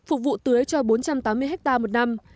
phục vụ tưới cho bốn trăm tám mươi hectare một năm